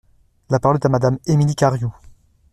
La parole est à Madame Émilie Cariou.